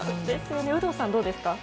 有働さん、どうですか？